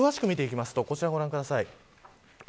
詳しく見ていきますとこちら、ご覧ください。